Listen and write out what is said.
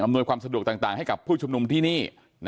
ความสะดวกต่างให้กับผู้ชุมนุมที่นี่